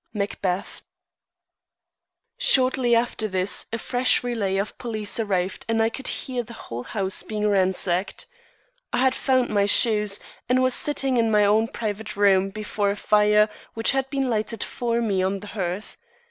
Macbeth. Shortly after this, a fresh relay of police arrived and I could hear the whole house being ransacked. I had found my shoes, and was sitting in my own private room before a fire which had been lighted for me on the hearth.